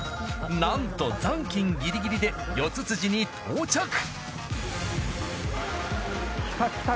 なんと残金ギリギリで四に到着。